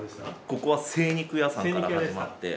ここは精肉屋さんから始まって。